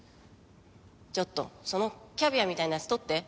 ちょっとそのキャビアみたいなやつ取って。